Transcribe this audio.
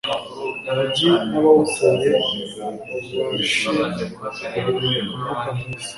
umugi n'abawutuye babashe guhumeka umwuka mwiza.